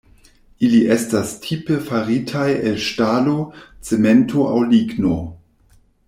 Ili estas tipe faritaj el ŝtalo, cemento aŭ ligno.